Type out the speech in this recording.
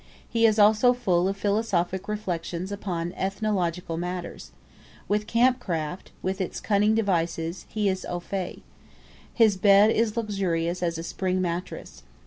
He is also full of philosophic reflections upon ethnological matter. With camp craft, with its cunning devices, he is au fait. His bed is luxurious as a spring mattress.